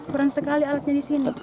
kurang sekali alatnya di sini